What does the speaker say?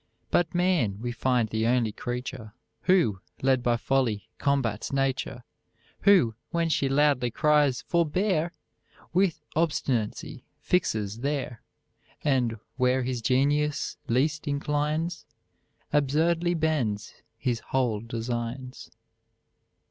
But man we find the only creature Who, led by folly, combats nature; Who, when she loudly cries Forbear! With obstinacy fixes there; And where his genius least inclines, Absurdly bends his whole designs.